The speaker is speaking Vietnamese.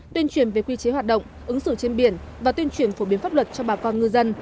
tuyên truyền về quy chế hoạt động ứng xử trên biển và tuyên truyền phổ biến pháp luật cho bà con ngư dân